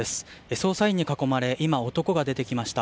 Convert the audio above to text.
捜査員に囲まれ今、男が出てきました。